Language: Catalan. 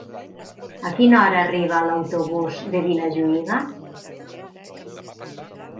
A quina hora arriba l'autobús de Vilajuïga?